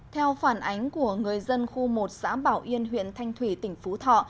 theo phản ánh của người dân khu một xã bảo yên huyện thanh thủy tỉnh phú thọ